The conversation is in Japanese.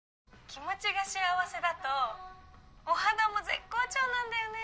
気持ちが幸せだとお肌も絶好調なんだよね。